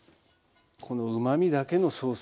このうまみだけのソース